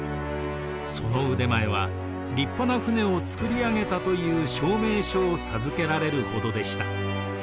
その腕前は立派な船をつくり上げたという証明書を授けられるほどでした。